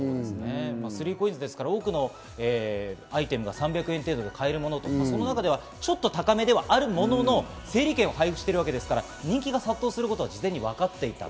３ＣＯＩＮＳですから、多くのアイテムが３００円程度で買えるものと、その中ではちょっと高めではあるものの、整理券を配布しているわけですから、人気が殺到することは事前に分かっていました。